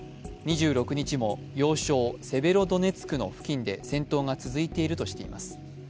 ２６日も要衝セベロドネツクの付近で戦闘が続いているとしています。